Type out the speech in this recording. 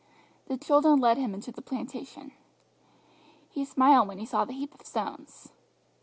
The children led him into the plantation. He smiled when he saw the heap of stones.